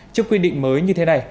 trước quy định mới như thế này